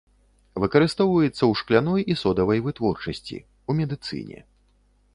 Выкарыстоўваецца ў шкляной і содавай вытворчасці, у медыцыне.